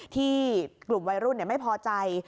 ที่กลุ่มวัยรุ่นไม่พอใจ